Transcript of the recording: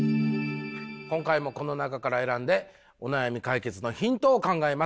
今回もこの中から選んでお悩み解決のヒントを考えます。